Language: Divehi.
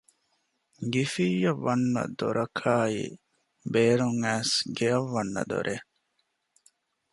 ގިފިއްޔަށް ވަންނަ ދޮރަކާއި ބޭރުން އައިސް ގެއަށް ވަންނަ ދޮރެއް